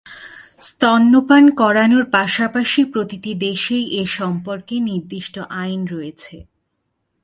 স্তন্যপান করানোর পাশাপাশি প্রতিটি দেশেই এ সম্পর্কে নির্দিষ্ট আইন রয়েছে।